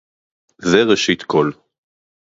זה ראשית כול!